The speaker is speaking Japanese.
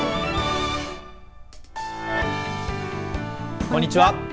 こんにちは。